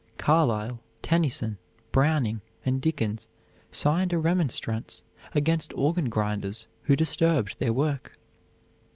Carlyle, Tennyson, Browning, and Dickens signed a remonstrance against organ grinders who disturbed their work.